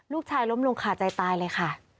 ลูกชายล้มลงขาดใจตายเลยค่ะ